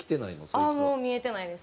ああもう見えてないです。